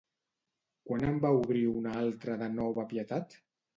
Quan en va obrir una altra de nova Pietat?